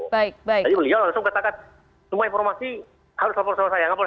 jadi beliau langsung katakan semua informasi harus dihapus oleh saya